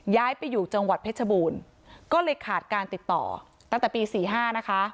ย้ายไปอยู่จังหวัดเพชรบูรณ์ก็เลยขาดการติดต่อตั้งแต่ปี๔๕นะคะ